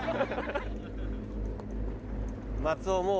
松尾もう。